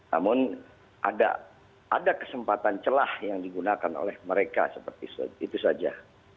namun ada kesempatan celah yang digunakan oleh mereka seperti itu saja